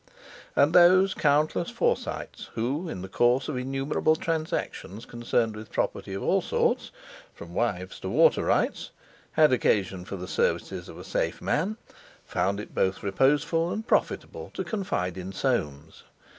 And those countless Forsytes, who, in the course of innumerable transactions concerned with property of all sorts (from wives to water rights), had occasion for the services of a safe man, found it both reposeful and profitable to confide in Soames.